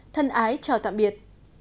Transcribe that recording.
thân ái chào tạm biệt